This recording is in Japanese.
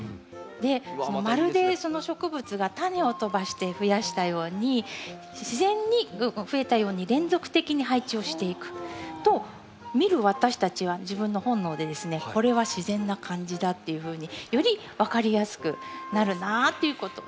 でまるでその植物がタネを飛ばしてふやしたように自然にふえたように連続的に配置をしていくと見る私たちは自分の本能でですねこれは自然な感じだっていうふうにより分かりやすくなるなぁっていうこと。